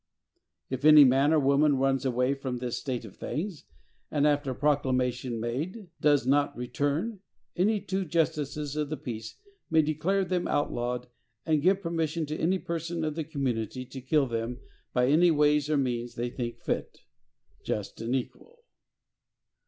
4. If any man or woman runs away from this state of things, and, after proclamation made, does not return, any two justices of the peace may declare them outlawed, and give permission to any person in the community to kill them by any ways or means they think fit.—Just and equal!